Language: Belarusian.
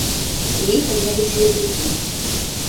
У іх адняліся языкі.